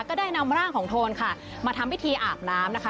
ก็ได้นำร่างของโทนค่ะมาทำพิธีอาบน้ำนะคะ